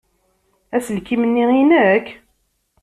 Aselkim-nni i nekk?